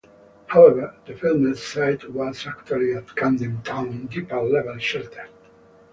However, the filmed site was actually at Camden Town deep-level shelter.